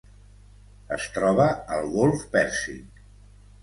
Es troba al Golf Pèrsic.